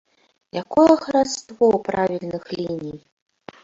Якое хараство правільных ліній?